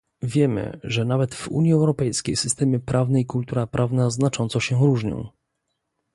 Wiemy, że nawet w Unii Europejskiej systemy prawne i kultura prawna znacząco się różnią